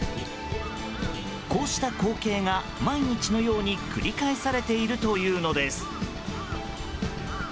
こうした光景が毎日のように繰り返されているというのです。